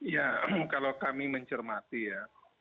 ya kalau kami mencermatkan